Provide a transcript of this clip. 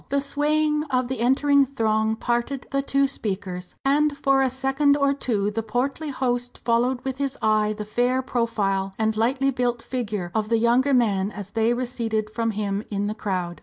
The swaying of the entering throng parted the two speakers, and for a second or two the portly host followed with his eye the fair profile and lightly built figure of the younger man as they receded from him in the crowd.